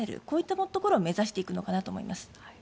こういったところを目指していくのかなと思います。